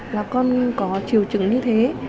là con có triều trứng như thế